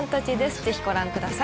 ぜひご覧ください。